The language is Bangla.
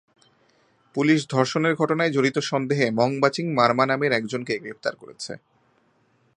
পুলিশ ধর্ষণের ঘটনায় জড়িত সন্দেহে মংবাচিং মারমা নামের একজনকে গ্রেপ্তার করেছে।